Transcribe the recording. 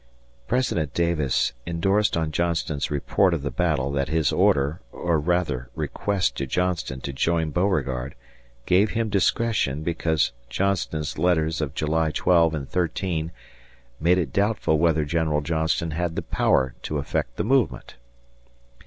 President Davis endorsed on Johnston's report of the battle that his order, or rather request to Johnston to join Beauregard gave him discretion because Johnston's letters of July 12 and 13 "made it doubtful whether General Johnston had the power to effect the movement."